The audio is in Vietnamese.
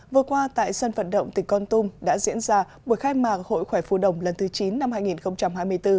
vừa qua tại sân vận động tỉnh con tum đã diễn ra buổi khai mạc hội khỏe phù đồng lần thứ chín năm hai nghìn hai mươi bốn